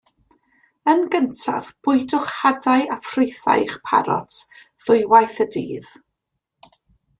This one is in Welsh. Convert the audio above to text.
Yn gyntaf bwydwch hadau a ffrwythau i'ch parot ddwywaith y dydd.